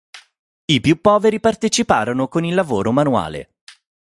I più poveri parteciparono con il lavoro manuale.